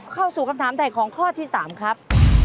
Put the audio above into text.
เข้าสู่คำถามถ่ายของข้อที่๓ครับ